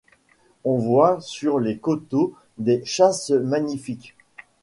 On voit sur les coteaux des chasses magnifiques ;